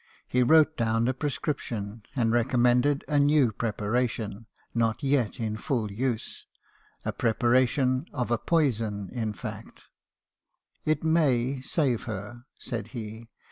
He wrote down a prescription ; and recommended a new preparation , not yet in full use ; a pre paration of a poison , in fact. " 'It may save her,' said he.